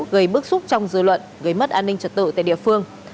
gây bức xúc trong dư luận gây mất an ninh trật tự tại địa phương